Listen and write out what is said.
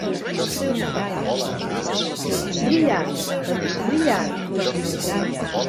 Brillant! amic brillant!